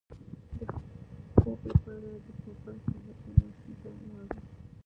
د خوب لپاره د پوپل صاحب مېلمستون ته لاړو.